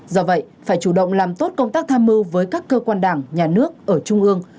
do vậy phải chủ động làm tốt công tác tham mưu với các cơ quan đảng nhà nước ở trung ương